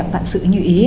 vạn sự như ý